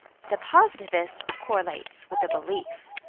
The positivist correlates with a belief.